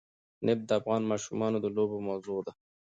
نفت د افغان ماشومانو د لوبو موضوع ده.